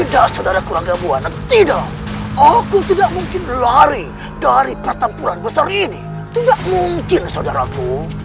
tidak saudara kurang tidak aku tidak mungkin lari dari pertempuran besar ini tidak mungkin saudaraku